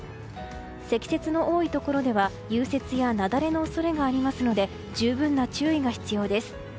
積雪の多いところでは融雪や雪崩の恐れがありますので十分な注意が必要です。